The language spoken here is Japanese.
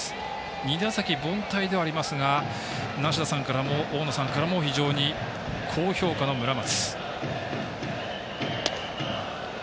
２打席凡退ではありますが梨田さんからも大野さんからも非常に好評価の村松。